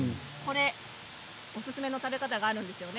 おすすめの食べ方があるんですよね。